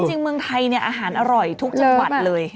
เมืองไทยเนี่ยอาหารอร่อยทุกจังหวัดเลย